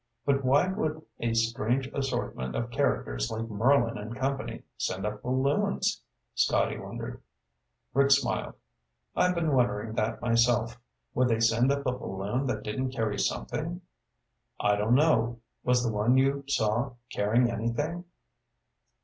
But why would a strange assortment of characters like Merlin and company send up balloons?" Scotty wondered. Rick smiled. "I've been wondering that myself. Would they send up a balloon that didn't carry something?" "I don't know. Was the one you saw carrying anything?"